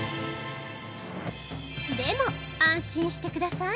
でも安心してください。